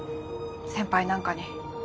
先輩なんかに。